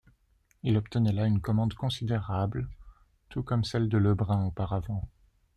Il obtenait là une commande considérable tout comme celles de Le Brun auparavant.